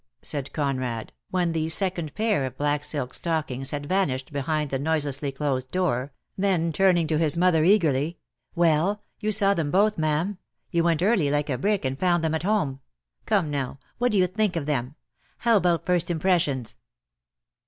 said Conrad when the second pair of black silk stockings had vanished behind the noiselessly closed door, then turning to his mother eagerly: "Well, you saw them both, ma'am. You went early, like a brick, and found them at home. " Come now, what do you think of them? How about first impres sions?"